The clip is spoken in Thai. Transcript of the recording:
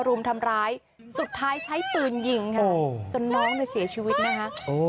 รุมทำร้ายสุดท้ายใช้ปืนยิงค่ะจนน้องเนี่ยเสียชีวิตนะคะ